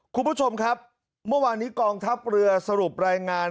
คุณผู้ชมครับเมื่อวานนี้กองทัพเรือสรุปรายงาน